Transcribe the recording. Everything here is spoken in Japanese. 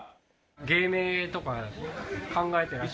芸名とか考えてらっしゃるんですか？